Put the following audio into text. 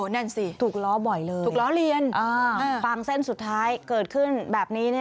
นั่นสิถูกล้อบ่อยเลยถูกล้อเลียนฟังเส้นสุดท้ายเกิดขึ้นแบบนี้